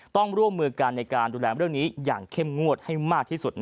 ต้องร่วมมือกันในการดูแลเรื่องนี้อย่างเข้มงวดให้มากที่สุด